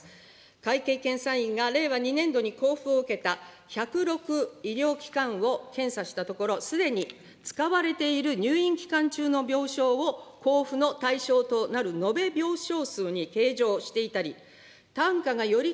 会計検査院が令和２年度に交付を受けた１０６医療機関を検査したところ、すでに使われている入院期間中の病床を交付の対象となる延べ病床数に計上していたり、単価がより